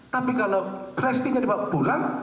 tapi kalau prestinya dibawa pulang